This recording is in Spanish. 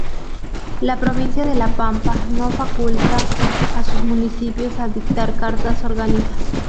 La provincia de La Pampa no faculta a sus municipios a dictar cartas orgánicas.